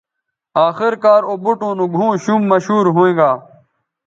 آخر کار او بوٹوں نو گھؤں شُم مشہور ھوینگا